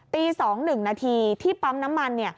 ตี๒๑นาทีที่ปั๊มน้ำมัน